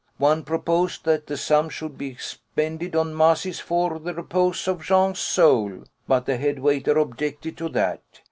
One proposed that the sum should be expended on masses for the repose of Jean's soul. But the head waiter objected to that.